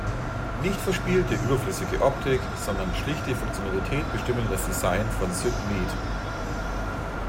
Nicht verspielte überflüssige Optik, sondern schlichte Funktionalität bestimmten das Design von Syd Mead.